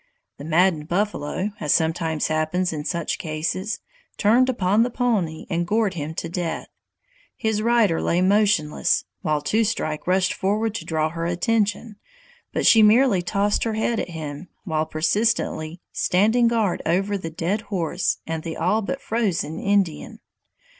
The maddened buffalo, as sometimes happens in such cases, turned upon the pony and gored him to death. His rider lay motionless, while Two Strike rushed forward to draw her attention, but she merely tossed her head at him, while persistently standing guard over the dead horse and the all but frozen Indian.